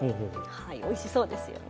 おいしそうですよね。